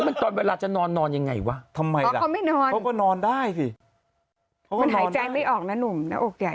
แม่เป็นประธานฝ่ายเติมเต็มลูก